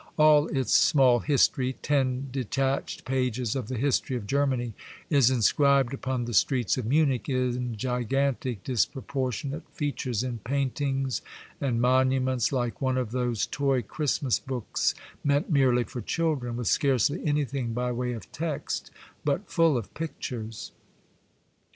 All its small history, ten detached pages of the history of Germany, is inscribed upon the streets of Munich in gigantic, disproportionate features, in paintings and monuments, like one of those toy Christmas books meant merely for children, with scarcely anything by way of text, but full of pictures.